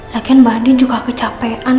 lagian mbak andin juga kecapean